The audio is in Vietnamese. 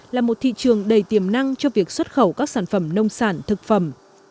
là một thị trường đầy tiềm năng cho việc xuất khẩu các sản phẩm nông sản thực phẩm